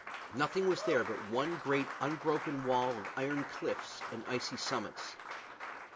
Nothing was there but one unbroken wall of iron cliffs and icy summits.